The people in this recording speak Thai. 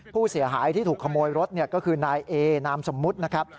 ผู้เสียหายที่ถูกขโมยรถก็คือนายเอนามสมมุตินะครับ